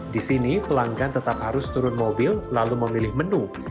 di sini pelanggan tetap harus turun mobil lalu memilih menu